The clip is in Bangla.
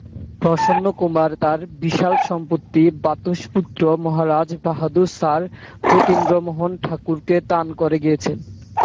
প্রসন্নকুমার তার বিশাল সম্পত্তি ভ্রাতুষ্পুত্র মহারাজা বাহাদুর স্যার যতীন্দ্রমোহন ঠাকুরকে দান করে গিয়েছিলেন।